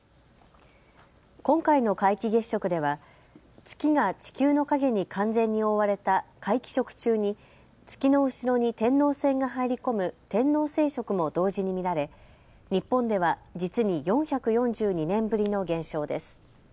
今回の皆既月食では月が地球の影に完全に覆われた皆既食中に月の後ろに天王星が入り込む天王星食も同時に見られ日本では実に４４２年ぶりの現象です。